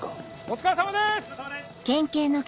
・お疲れさまです・